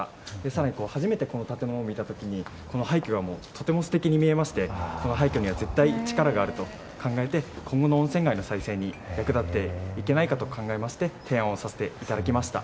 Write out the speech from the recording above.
更に初めてこの建物を見た時にこの廃墟がとても素敵に見えましてこの廃墟には絶対力があると考えて今後の温泉街の再生に役立っていけないかと考えまして提案させていただきました。